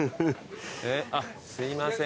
あっすいません。